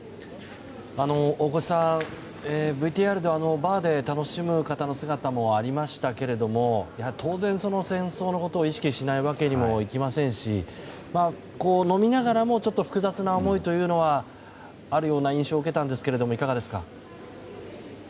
大越さん、ＶＴＲでバーで楽しむ方の姿もありましたけれども当然、戦争のことを意識しないわけにもいきませんし飲みながらもちょっと複雑な思いというのはあるような印象を受けましたがいかがですか？